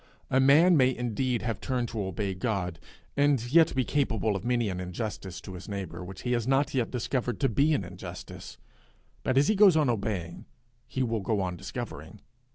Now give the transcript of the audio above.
A man may indeed have turned to obey God, and yet be capable of many an injustice to his neighbour which he has not yet discovered to be an injustice; but as he goes on obeying, he will go on discovering.